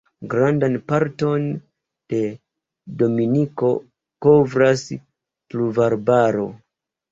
Grandan parton de Dominiko kovras pluvarbaro.